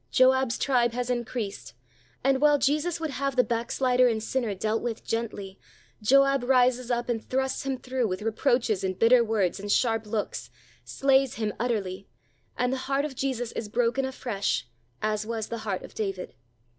Joab's tribe has increased, and while Jesus would have the backslider and sinner dealt with gently, Joab rises up and thrusts him through with reproaches and bitter words and sharp looks, slays him utterly, and the heart of Jesus is broken afresh, as was the heart of David.